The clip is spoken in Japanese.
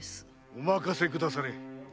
お任せくだされ。